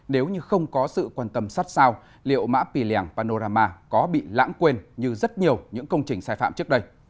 nếu như không có sự quan tâm sát sao liệu mã pì lèng panorama có bị lãng quên như rất nhiều những công trình sai phạm trước đây